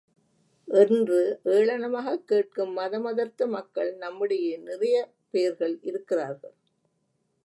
என்று ஏளனமாகக் கேட்கும் மதமதர்த்த மக்கள் நம்மிடையே நிறைய பேர்கள் இருக்கிறார்கள்.